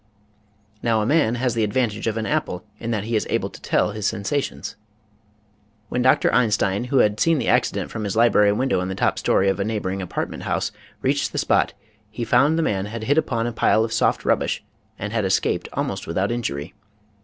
Now a man has the advantage of an apple in that he is able to tell his sensations. When Dr. Einstein, who 80 EASY LESSONS IN EINSTEIN had seen the accident from his library window in the top story of a neighboring apartment house, reached the spot he found the man had hit upon a pile of soft rubbish and had escaped almost without injury.